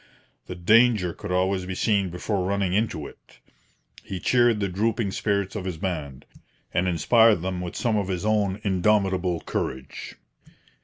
The danger could always be seen before running into it. He cheered the drooping spirits of his band, and inspired them with some of his own indomitable courage.